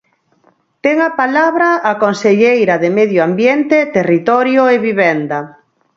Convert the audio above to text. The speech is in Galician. Ten a palabra a conselleira de Medio Ambiente, Territorio e Vivenda.